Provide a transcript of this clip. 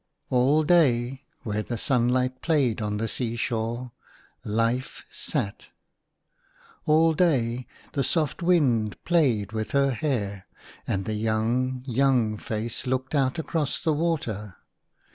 LL day, where the sunlight played on the sea shore, Life sat. All day the soft wind played with her hair, and the young, young face looked out across the water.